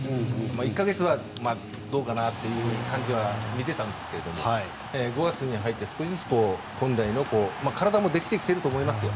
１か月はどうかなっていう感じは見ていたんですが５月に入って少しずつ本来の体もできてきてると思いますよ